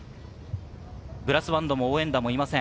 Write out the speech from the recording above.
ブラスバンドも応援団もいません。